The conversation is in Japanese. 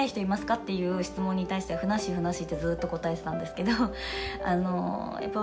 っていう質問に対してはふなっしー、ふなっしーって、ずっと答えてたんですけど、笑